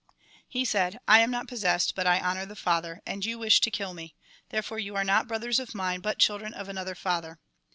He said :" I am not possessed ; but I honour the Father, and you wish to kill me ; therefore you are not brothers of mine, but children of another father.